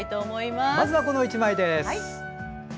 まずはこの１枚です。